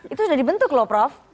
itu sudah dibentuk loh prof